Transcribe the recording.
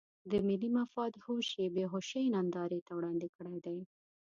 د ملي مفاد هوش یې بې هوشۍ نندارې ته وړاندې کړی دی.